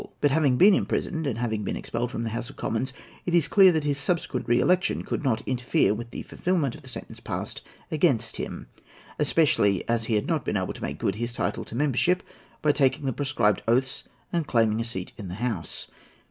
But having been imprisoned, and having been expelled from the House of Commons, it is clear that his subsequent re election could not interfere with the fulfilment, of the sentence passed against him, especially as he had not been able to make good his title to membership by taking the prescribed oaths and claiming a seat in the House.